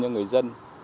cho người dân